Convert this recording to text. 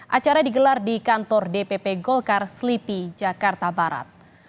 acara digelar di kantor dpp golkar slipi jakarta barat